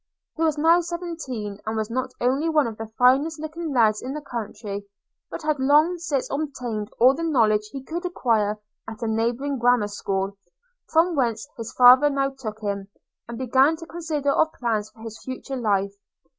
– He was now seventeen, and was not only one of the finest looking lads in that country, but had long since obtained all the knowledge he could acquire at a neighbouring grammar school; from whence his father now took him, and began to consider of plans for his future life.